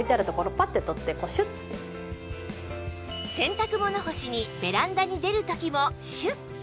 洗濯物干しにベランダに出る時もシュッ